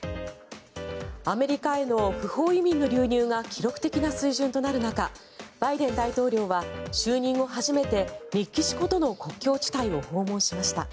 アメリカへの不法移民の流入が記録的な水準となる中バイデン大統領は就任後初めてメキシコとの国境地帯を訪問しました。